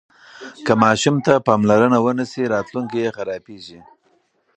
که ماشوم ته پاملرنه ونه سي راتلونکی یې خرابیږي.